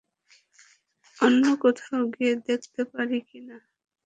অন্য কোথাও গিয়ে দেখতে পারি কি?